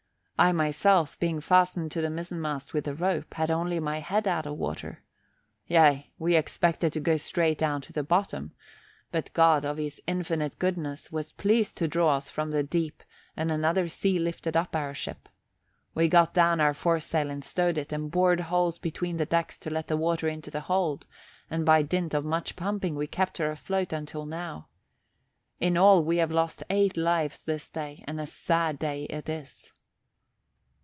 I myself, being fastened to the mizzenmast with a rope, had only my head out of water. Yea, we expected to go straight down to the bottom, but God of his infinite goodness was pleased to draw us from the deep and another sea lifted up our ship. We got down our foresail and stowed it and bored holes between the decks to let the water into the hold and by dint of much pumping we kept her afloat until now. In all we have lost eight lives this day and a sad day it is."